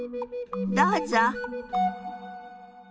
どうぞ。